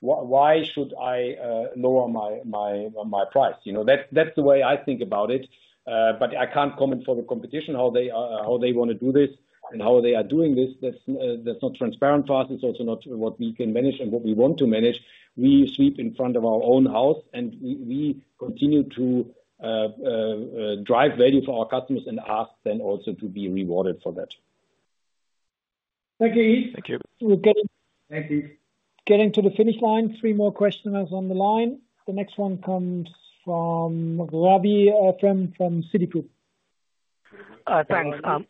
why should I lower my price? You know, that's the way I think about it. I can't comment for the competition, how they are, how they want to do this and how they are doing this. That's not transparent to us. It's also not what we can manage and what we want to manage. We sweep in front of our own house, we continue to drive value for our customers and ask then also to be rewarded for that. Thank you, Yves. Thank you. We're getting- Thank you. Getting to the finish line. Three more questioners on the line. The next one comes from Ravi, from Citigroup. Uh, thanks. Um,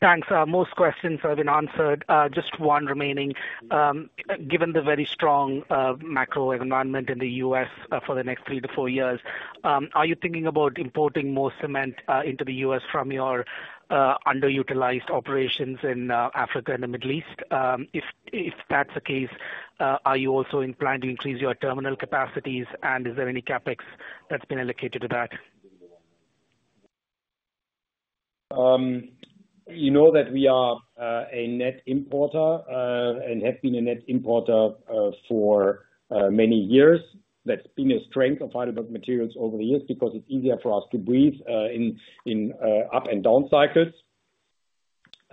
thanks. Uh, most questions have been answered, uh, just one remaining. Um, given the very strong, uh, macro environment in the US, uh, for the next three to four years, um, are you thinking about importing more cement, uh, into the US from your, uh, underutilized operations in, uh, Africa and the Middle East? Um, if, if that's the case, uh, are you also in plan to increase your terminal capacities, and is there any CapEx that's been allocated to that? You know, that we are a net importer and have been a net importer for many years. That's been a strength of Heidelberg Materials over the years, because it's easier for us to breathe in up and down cycles.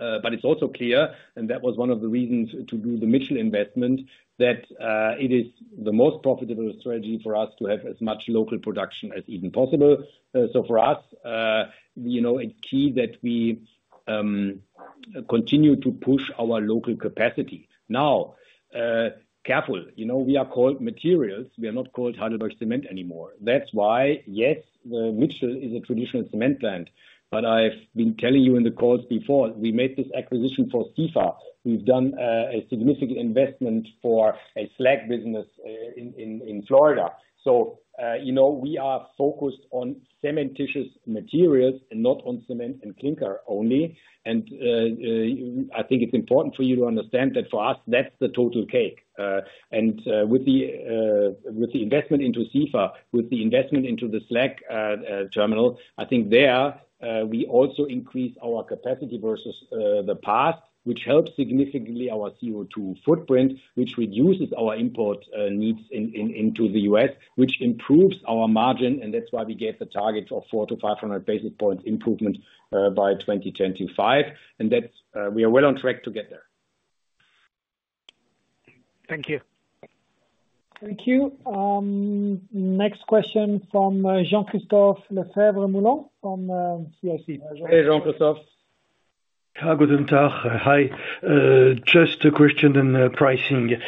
It's also clear, and that was one of the reasons to do the Mitchell investment, that it is the most profitable strategy for us to have as much local production as even possible. For us, you know, it's key that we continue to push our local capacity. Careful, you know, we are called Materials. We are not called Heidelberg Cement anymore. That's why, yes, Mitchell is a traditional cement plant, but I've been telling you in the calls before, we made this acquisition for Sibelco. We've done a significant investment for a slag business in Florida. You know, we are focused on cementitious materials and not on cement and clinker only. I think it's important for you to understand that for us, that's the total cake. With the investment into Sibelco, with the investment into the slag terminal, I think there we also increase our capacity versus the past, which helps significantly our CO2 footprint, which reduces our import needs into the U.S., which improves our margin. That's why we gave the target of 400-500 basis points improvement by 2025, we are well on track to get there. Thank you. Thank you. Next question from Jean-Christophe Lefèvre-Moulenc from CIC. Hey, Jean-Christophe. Hi, guten Tag. Hi. Just a question on pricing.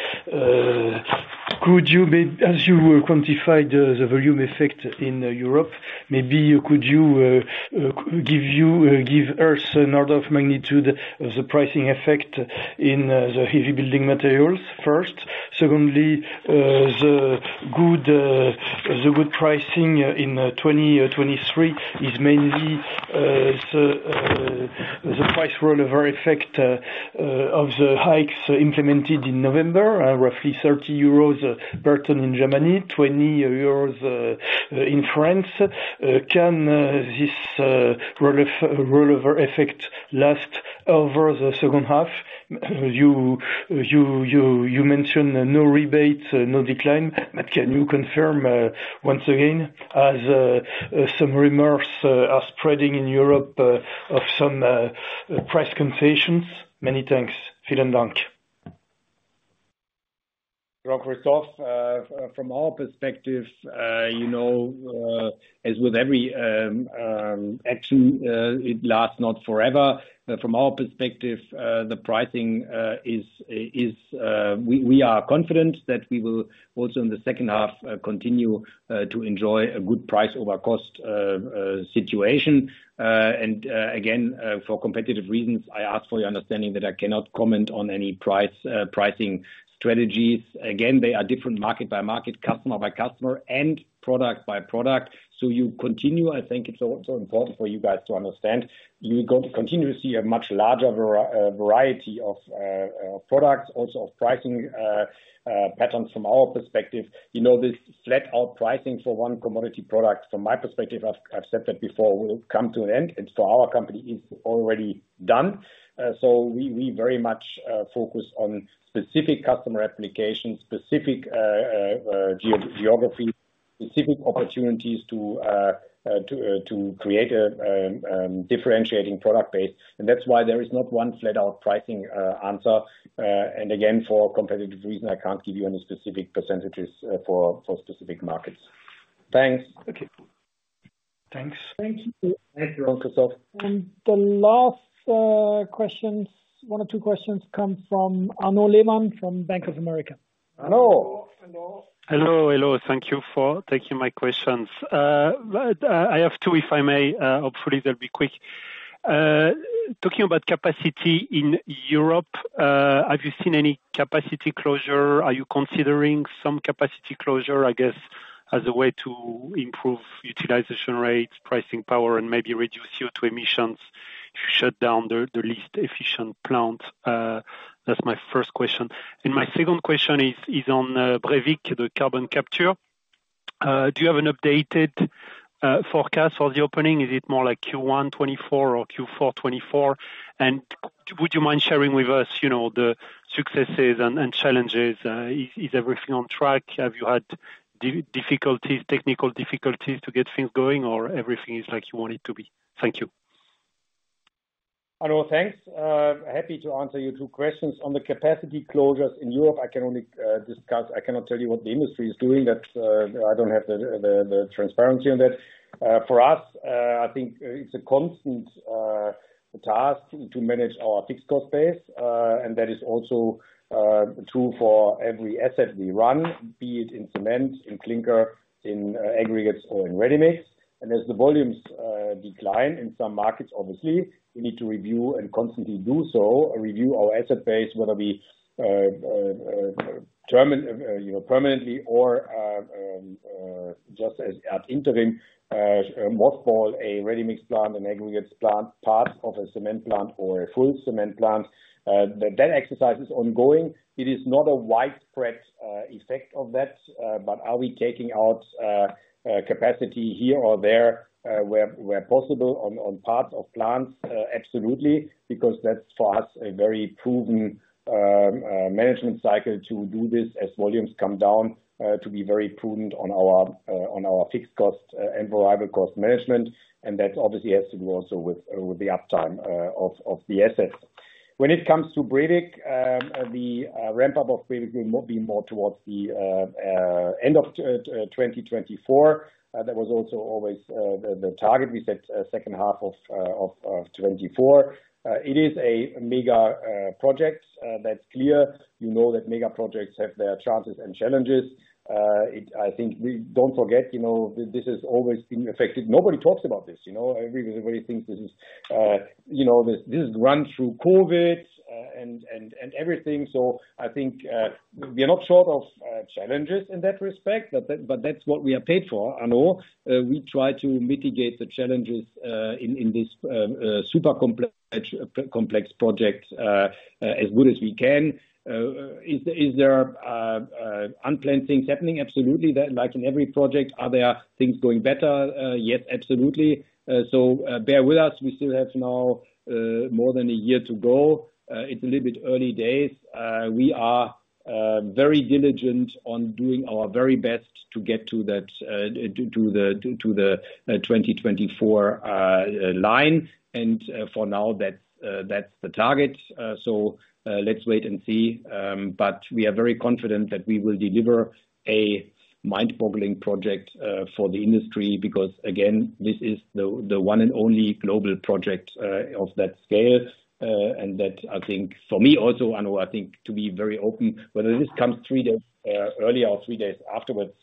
Could you maybe, as you quantified the volume effect in Europe, maybe could you give us an order of magnitude of the pricing effect in the heavy building materials first? Secondly, the good pricing in 2023 is mainly the price rollover effect of the hikes implemented in November, roughly 30 euros per tonne in Germany, 20 euros in France. Can this rollover effect last over the second half? You mentioned no rebates, no decline, can you confirm once again, as some rumors are spreading in Europe, of some price concessions? Many thanks. Vielen Dank! Jean-Christophe, from our perspective, you know, as with every action, it lasts not forever. From our perspective, the pricing is we are confident that we will also in the second half continue to enjoy a good price over cost situation. Again, for competitive reasons, I ask for your understanding that I cannot comment on any price pricing strategies. Again, they are different market by market, customer by customer, and product by product. You continue, I think it's also important for you guys to understand, you got to continue to see a much larger variety of products, also of pricing patterns from our perspective. You know, this flat out pricing for one commodity product from my perspective, I've said that before, will come to an end. Our company is already done. We very much focus on specific customer applications, specific geography, specific opportunities to create a differentiating product base. That's why there is not one flat out pricing answer. Again, for competitive reasons, I can't give you any specific percentages for specific markets. Thanks. Thank you. Thanks. Thank you. Thank you, Christoph. The last question, one or two questions come from Arnaud Lehmann from Bank of America. Arnaud? Hello. Hello, hello. Thank you for taking my questions. I have two, if I may. Hopefully they'll be quick. Talking about capacity in Europe, have you seen any capacity closure? Are you considering some capacity closure, I guess, as a way to improve utilization rates, pricing power, and maybe reduce CO2 emissions if you shut down the least efficient plant? That's my first question. My second question is on Brevik, the carbon capture. Do you have an updated forecast for the opening? Is it more like Q1 2024 or Q4 2024? Would you mind sharing with us, you know, the successes and challenges? Is everything on track? Have you had difficulties, technical difficulties to get things going, or everything is like you want it to be? Thank you. Arnaud, thanks. Happy to answer your 2 questions. On the capacity closures in Europe, I can only discuss. I cannot tell you what the industry is doing. That, I don't have the transparency on that. For us, I think it's a constant task to manage our fixed cost base. That is also true for every asset we run, be it in cement, in clinker, in aggregates, or in ready-mix. As the volumes decline in some markets, obviously, we need to review and constantly do so, review our asset base, whether be, you know, permanently or just as an interim, mothball a ready-mix plant, an aggregates plant, part of a cement plant, or a full cement plant. That exercise is ongoing. It is not a widespread effect of that, but are we taking out capacity here or there, where possible on parts of plants? Absolutely, because that's for us a very proven management cycle to do this as volumes come down, to be very prudent on our fixed cost and variable cost management, and that obviously has to do also with the uptime of the assets. When it comes to Brevik, the ramp up of Brevik will more be more towards the end of 2024. That was also always the target. We set second half of 2024. It is a mega project, that's clear. You know that mega projects have their chances and challenges. Don't forget, you know, this has always been affected. Nobody talks about this, you know? Everybody thinks this is, you know, this is run through COVID and everything. I think we are not short of challenges in that respect, but that's what we are paid for, Arnaud. We try to mitigate the challenges in this super complex project as good as we can. Is there unplanned things happening? Absolutely, that like in every project. Are there things going better? Yes, absolutely. Bear with us. We still have now more than a year to go. It's a little bit early days. We are very diligent on doing our very best to get to that, to the 2024 line, and for now, that's the target. Let's wait and see. We are very confident that we will deliver a mind-boggling project for the industry, because again, this is the one and only global project of that scale. That, I think for me also, Arnaud, I think, to be very open, whether this comes 3 days early or 3 days afterwards,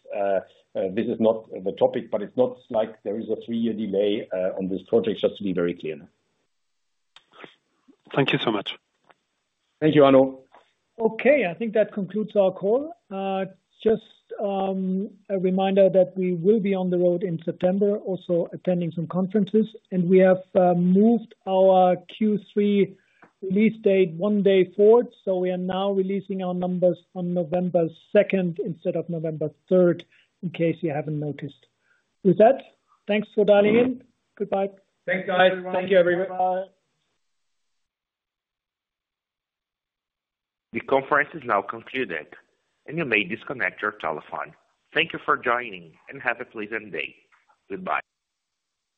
this is not the topic, but it's not like there is a 3-year delay on this project, just to be very clear. Thank you so much. Thank you, Arnaud. Okay, I think that concludes our call. just a reminder that we will be on the road in September, also attending some conferences, and we have moved our Q3 release date one day forward. We are now releasing our numbers on November 2, instead of November 3, in case you haven't noticed. With that, thanks for dialing in. Goodbye. Thanks, guys. Thank you, everyone. Bye. The conference is now concluded, and you may disconnect your telephone. Thank you for joining, and have a pleasant day. Goodbye.